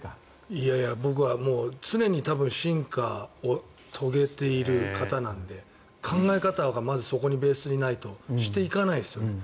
いやいや、常に多分進化を遂げている方なので考え方がまずそこをベースにしていないと行かないですよね。